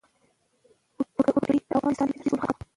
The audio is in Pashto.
وګړي د افغانستان د انرژۍ سکتور برخه ده.